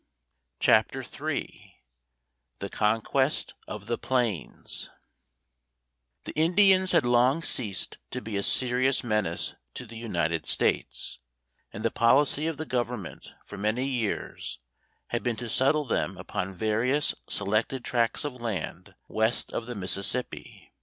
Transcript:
CHAPTER III THE CONQUEST OF THE PLAINS The Indians had long since ceased to be a serious menace to the United States, and the policy of the government for many years had been to settle them upon various selected tracts of land west of the Mississippi.